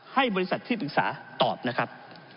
ให้บริษัทที่ปรึกษาตอบนะครับ